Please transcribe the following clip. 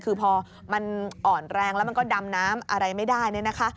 คือพอมันอ่อนแรงแล้วมันก็ดำน้ำอะไรไม่ได้